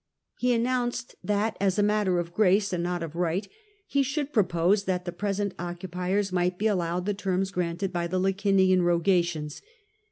H^ announced that, as a matter of grace, and not of right, he should propose that the present occupiers might be allowed the terms granted by the Licinian Rogations.